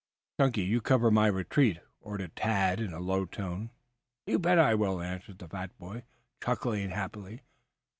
"Chunky, you cover my retreat," ordered Tad in a low tone. "You bet I will," answered the fat boy, chuckling happily.